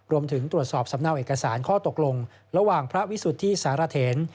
รวมถึงตรวจสอบสำเนาเอกสารข้อตกลงระหว่างพระวิสุทธิสารเถน